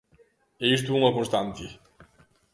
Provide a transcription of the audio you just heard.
E isto é unha constante.